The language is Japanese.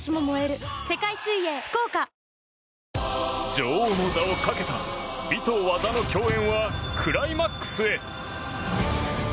女王の座をかけた美と技の競演はクライマックスへ。